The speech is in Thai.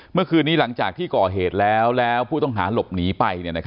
เมื่อคืนนี้หลังจากที่ก่อเหตุแล้วแล้วผู้ต้องหาหลบหนีไป